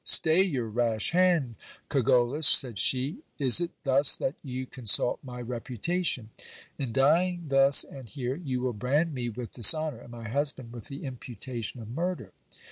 Stay your rash hand, Cogollos, said she. Is it thus that you consult my reputation ? In dying thus and here, you will brand me with dis h Dnour, and my husband with the imputation of murder.